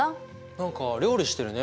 何か料理してるね。